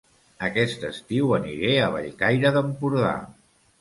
Aquest estiu aniré a Bellcaire d'Empordà